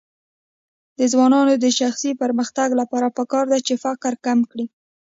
د ځوانانو د شخصي پرمختګ لپاره پکار ده چې فقر کم کړي.